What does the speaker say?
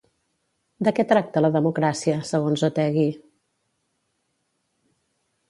De què tracta la democràcia, segons Otegi?